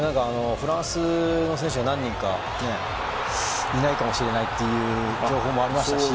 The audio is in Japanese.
フランスの選手が何人かいないかもしれないという情報もありましたし。